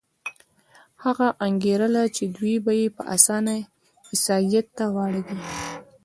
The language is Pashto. هغه انګېرله چې دوی به په اسانه عیسایت ته واوړي.